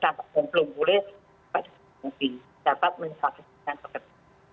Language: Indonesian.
dapat mensafikan pekerja